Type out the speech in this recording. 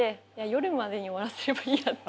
夜までに終わらせればいいやっていう